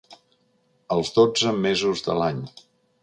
Els dotze mesos de l'any.